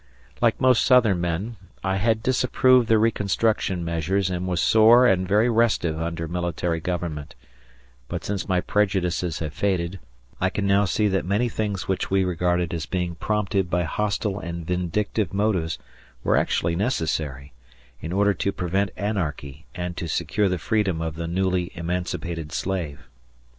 Like most Southern men, I had disapproved the reconstruction measures and was sore and very restive under military government; but since my prejudices have faded, I can now see that many things which we regarded as being prompted by hostile and vindictive motives were actually necessary, in order to prevent anarchy and to secure the freedom of the newly emancipated slave.